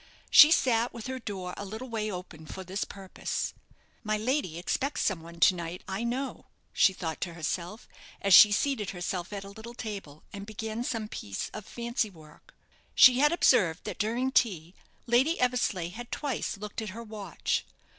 She sat with her door a little way open for this purpose. "My lady expects some one to night, I know," she thought to herself, as she seated herself at a little table, and began some piece of fancy work. She had observed that during tea Lady Eversleigh had twice looked at her watch.